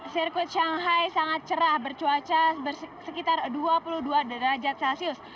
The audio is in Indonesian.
sirkuit shanghai sangat cerah bercuaca sekitar dua puluh dua derajat celcius